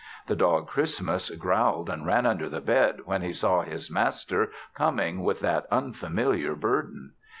The dog Christmas growled and ran under the bed when he saw his master coming with that unfamiliar burden.